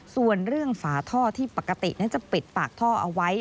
ส่วนเรื่องฝาท่อที่ปกตินั้นจะปิดปากท่อเอาไว้